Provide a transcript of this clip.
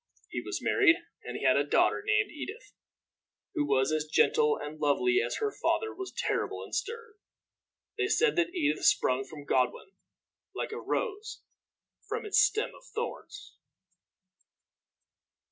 He was married, and he had a daughter named Edith, who was as gentle and lovely as her father was terrible and stern. They said that Edith sprung from Godwin like a rose from its stem of thorns.